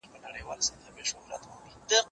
زه اجازه لرم چي منډه ووهم!.